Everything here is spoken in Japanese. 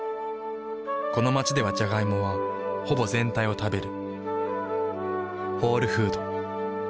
この街ではジャガイモはほぼ全体を食べる。